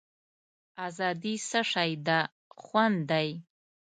آزادي څه شی ده خوند دی.